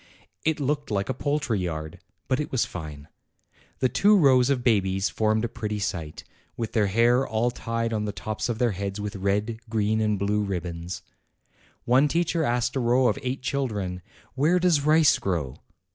It looked like a poultry yard. But it was fine. The two rows of babies formed a pretty sight, with their hair all tied on the tops of their heads with red, green, and blue ribbons. One teacher asked a row of eight children, " Where does rice grow?"